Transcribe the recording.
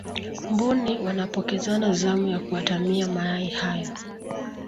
mbuni wanapokezana zamu za kuatamia mayai hayo